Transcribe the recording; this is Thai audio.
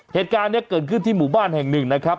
เหตุการณ์นี้เกิดขึ้นที่หมู่บ้านแห่งหนึ่งนะครับ